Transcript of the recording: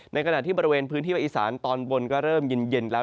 ในขณะที่บริเวณพื้นที่ภาคอีสานตอนบนก็เริ่มเย็นแล้ว